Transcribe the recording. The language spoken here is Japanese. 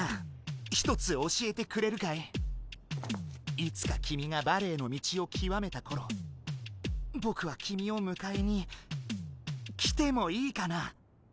いつか君がバレエの道をきわめたころボクは君をむかえに来てもいいかな。